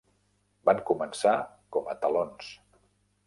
Van començar com a talons.